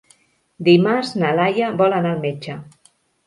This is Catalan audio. Dimarts na Laia vol anar al metge.